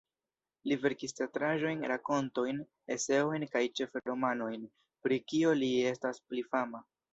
Li verkis teatraĵojn, rakontojn, eseojn kaj ĉefe romanojn, pri kio li estas pli fama.